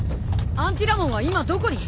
アンティラモンは今どこに？